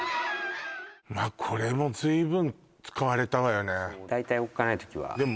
これもずいぶん使われたわよね